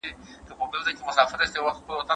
هغه خلکو ته وویل چي باید سره متحد سي.